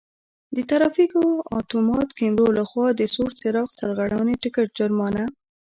د ترافیکو آتومات کیمرو له خوا د سور څراغ سرغړونې ټکټ جرمانه: